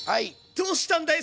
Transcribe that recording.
どうしたんだい